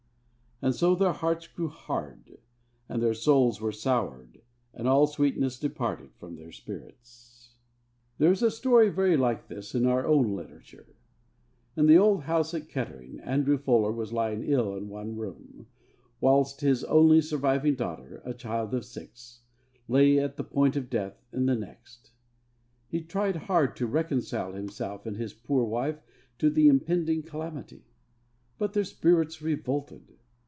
And so their hearts grew hard, and their souls were soured, and all sweetness departed from their spirits. There is a story very like this in our own literature. In the old house at Kettering, Andrew Fuller was lying ill in one room, whilst his only surviving daughter a child of six lay at the point of death in the next. He tried hard to reconcile himself and his poor wife to the impending calamity. But their spirits revolted.